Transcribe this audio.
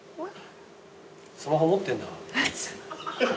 スマホ持ってんだ。